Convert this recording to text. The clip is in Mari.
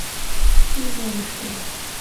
Пивнойышто